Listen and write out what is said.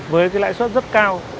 với cái lãi suất rất cao